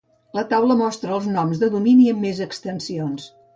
La taula mostra els noms de domini amb més extensions.